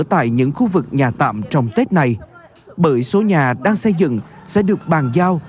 tại những khu vực nhà tạm trong tết này bởi số nhà đang xây dựng sẽ được bàn giao